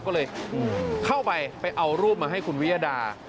ก็เลยเข้าไปไปเอารูปมาให้คุณวิยดา